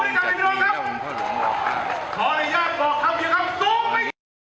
และอุณหภาลลมกภาพขออนุญาตบอกทั้งที่นะครับสูงไป